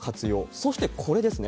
そしてこれですね。